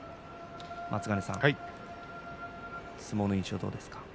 松ヶ根さん、相撲の印象いかがですか？